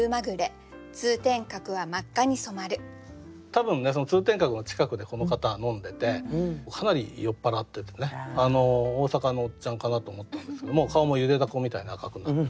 多分通天閣の近くでこの方は飲んでてかなり酔っ払っててね大阪のおっちゃんかなと思ったんですけども顔もゆでだこみたいに赤くなって。